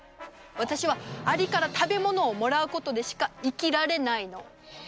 私はアリから食べ物をもらうことでしか生きられないの。